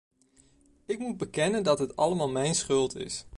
Ik moet bekennen dat het allemaal mijn schuld is.